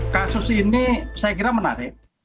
kasus ini saya kira menarik